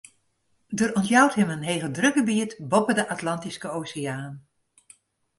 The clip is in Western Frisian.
Der ûntjout him in hegedrukgebiet boppe de Atlantyske Oseaan.